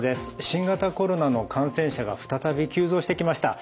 新型コロナの感染者が再び急増してきました。